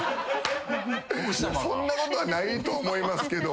そんなことはないと思いますけど。